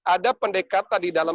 ada pendekatan di dalam